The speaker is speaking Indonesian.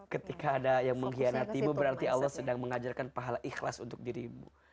ketika ada yang mengkhianatimu berarti allah sedang mengajarkan pahala ikhlas untuk dirimu